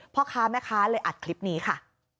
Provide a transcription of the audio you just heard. พ่อค้าแม่ค้าเลยอัดคลิปนี้ค่ะ